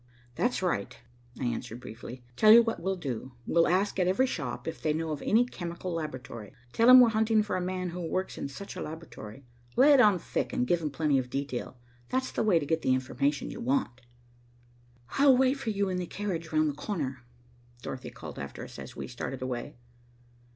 "That's right," I answered briefly. "Tell you what we'll do. We'll ask at every shop if they know of any chemical laboratory. Tell 'em we're hunting for a man who works in such a laboratory. Lay it on thick and give 'em plenty of detail. That's the way to get the information you want." "I'll wait for you in the carriage round the corner," Dorothy called after us, as we started away.